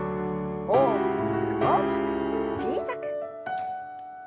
大きく大きく小さく。